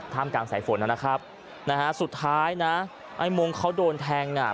กลางสายฝนนะครับนะฮะสุดท้ายนะไอ้มงเขาโดนแทงอ่ะ